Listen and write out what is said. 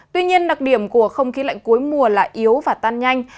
tuy nhiên đặc điểm của không khí lạnh cuối mùa là yếu và tan nhanh